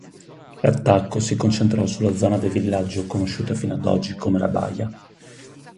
L'attacco si concentrò sulla zona del villaggio conosciuta fino ad oggi come la Baia.